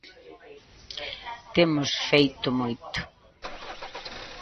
Temos feito moito.